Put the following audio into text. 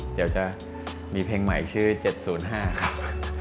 เดี๋ยวจะมีเพลงใหม่ชื่อ๗๐๕ครับ